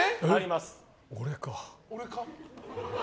俺か。